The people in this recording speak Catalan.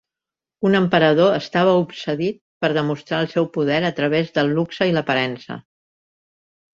Un emperador estava obsedit per demostrar el seu poder a través del luxe i l'aparença.